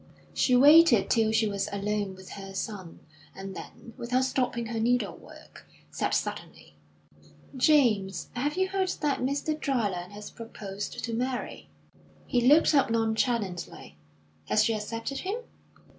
She waited till she was alone with her son, and then, without stopping her needlework, said suddenly: "James, have you heard that Mr. Dryland has proposed to Mary?" He looked up nonchalantly. "Has she accepted him?"